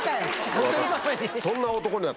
モテるために。